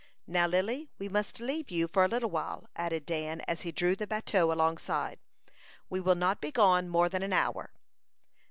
Now, Lily, we must leave you for a little while," added Dan, as he drew the bateau alongside. "We will not be gone more than an hour."